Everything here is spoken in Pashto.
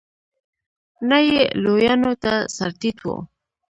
نه یې لویانو ته سر ټيټ و.